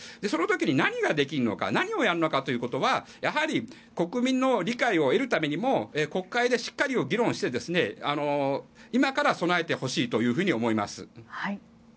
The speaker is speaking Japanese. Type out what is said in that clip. その時に何ができるのか何をやるのかということはやはり国民の理解を得るためにも国会でしっかり議論して今から備えてほしいと思います。